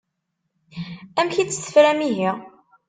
Amek i tt-tefram ihi?